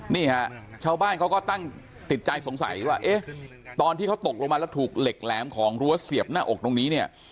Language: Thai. นี่ฮะชาวบ้านเขาก็ตั้งติดใจสงสัยว่าเอ๊ะตอนที่เขาตกลงมาแล้วถูกเหล็กแหลมของรั้วเสียบหน้าอกตรงนี้เนี่ย